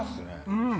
うん！